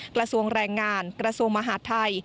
กระทรวงแรงงานกระทรวงมหาดไทย